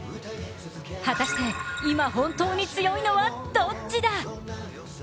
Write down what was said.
果たして、今、本当に強いのはどっちだ？